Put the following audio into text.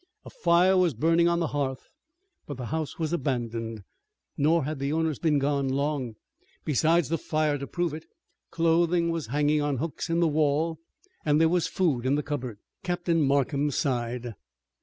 A fire was burning on the hearth, but the house was abandoned. Nor had the owners been gone long. Besides the fire to prove it, clothing was hanging on hooks in the wall, and there was food in the cupboard. Captain Markham sighed.